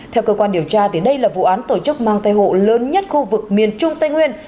theo cơ quan điều tra đây là vụ án tổ chức mang tay hộ lớn nhất khu vực miền trung tây nguyên